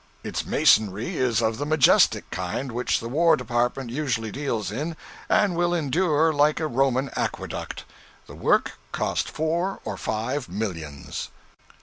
Its masonry is of the majestic kind which the War Department usually deals in, and will endure like a Roman aqueduct. The work cost four or five millions.